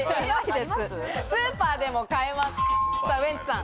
スーパーでも買えます。ピンポンウエンツさん。